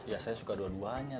ya saya suka dua duanya